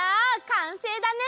かんせいだね！